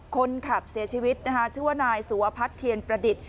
คนขับเสียชีวิตนะคะชื่อว่านายสุวพัฒน์เทียนประดิษฐ์